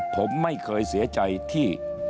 ผมไม่เคยเสียใจที่